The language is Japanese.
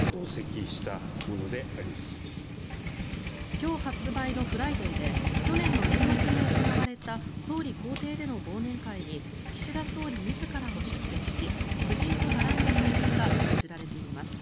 今日発売の「ＦＲＩＤＡＹ」で去年の年末に行われた総理公邸での忘年会に岸田総理自らも出席し夫人と並んだ写真が報じられています。